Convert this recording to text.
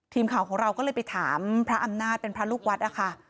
ทีมข่าวของเราก็เลยไปถามพระอำนาจเป็นพระลูกวัดนะคะ